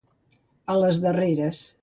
A les darreres.